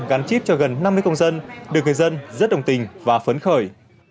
gắn chip cho gần năm mươi công dân được người dân rất đồng tình và phấn khởi